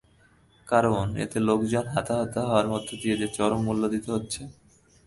কারণ, এতে লোকজন হতাহত হওয়ার মধ্য দিয়ে চরম মূল্য দিতে হচ্ছে।